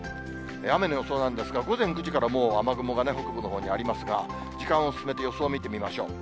雨の予想なんですが、午前９時から、もう雨雲が北部のほうにありますが、時間を進めて予想見てみましょう。